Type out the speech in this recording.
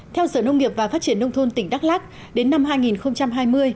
theo sở nông nghiệp và phát triển nông thôn tỉnh đắk lắc đến năm hai nghìn hai mươi